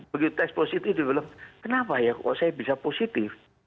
begitu tes positif dia bilang kenapa ya kalau saya bisa positif